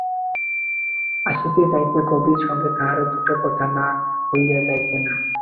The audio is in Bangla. আসিতে যাইতে কবির সঙ্গে তাহার দুটা কথা না হইয়া যাইত না।